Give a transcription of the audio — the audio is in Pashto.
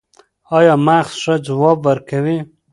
ایا مغز ښه ځواب ورکوي؟